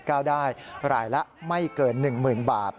เท่าไรละไม่เกิน๑หมื่นบาท